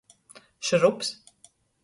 Šrups.